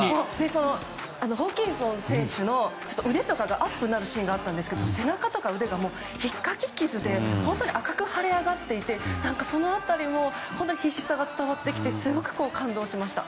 ホーキンソン選手の腕とかがアップになるシーンがあったんですが背中とか腕がひっかき傷で赤く腫れあがっていてその辺りも必死さが伝わってきてすごく感動しました。